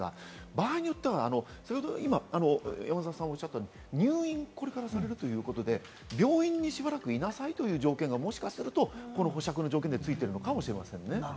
場合によっては入院、これからされるということで、病院にしばらく居なさいという条件がもしかすると保釈の条件でついているのかもしれませんね。